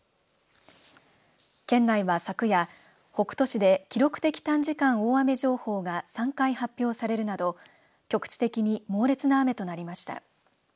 県内は昨夜、北杜市で記録的短時間大雨情報が３回発表されるなど局地的に猛烈な雨となりました。